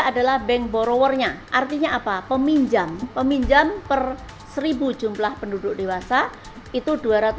adalah bank borower nya artinya apa peminjam peminjam per seribu jumlah penduduk dewasa itu dua ratus dua puluh lima